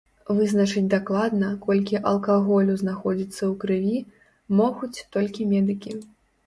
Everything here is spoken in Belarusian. Вызначыць дакладна, колькі алкаголю знаходзіцца ў крыві, могуць толькі медыкі.